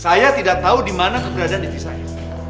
saya tidak tahu dimana keberadaan istri saya